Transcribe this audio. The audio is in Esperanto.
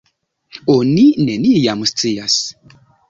Oni neniam scias!